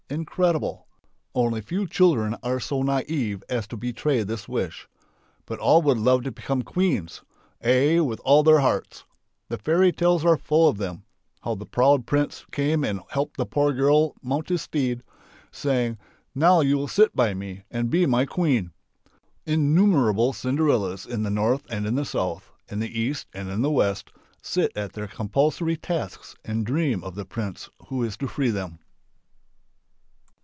Incredible! Only few children are so naive as to betray this wish. But all would love to become "queens," ay, with all their hearts. The fairy tales are full of them. How the proud prince came and helped the poor girl mount his steed, saying: "Now you'll sit by me and be my Queen!" Innumerable Cinderellas in the north and in the south, in the east and in the west, sit at their compulsory tasks and dream of the prince who is to free them.